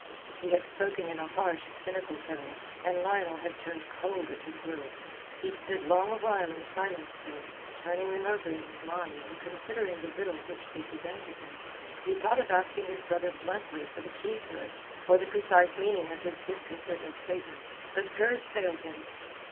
He had spoken in a harsh, cynical tone, and Lionel had turned cold at his words. He stood a long while in silence there, turning them over in his mind and considering the riddle which they presented him. He thought of asking his brother bluntly for the key to it, for the precise meaning of his disconcerting statement, but courage failed him.